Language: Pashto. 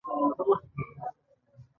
اجازه نه ورکوي.